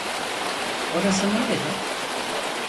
Orası nerede?